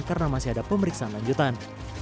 karena masih ada pemeriksaan lanjutan